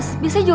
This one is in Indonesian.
aku mau ke rumah